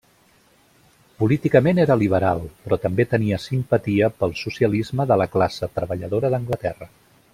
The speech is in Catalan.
Políticament era liberal, però també tenia simpatia pel socialisme de la classe treballadora d'Anglaterra.